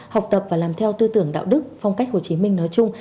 học tập và làm theo tư tưởng đạo đức phong cách hồ chí minh nói chung